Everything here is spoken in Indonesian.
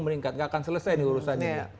meningkat enggak akan selesai ini urusan ini